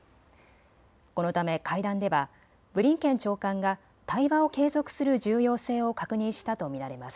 このため会談ではブリンケン長官が対話を継続する重要性を確認したと見られます。